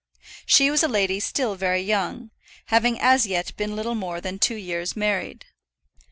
She was a lady still very young, having as yet been little more than two years married.